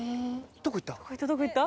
どこいった？